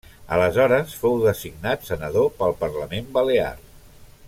Aleshores fou designat senador pel Parlament Balear.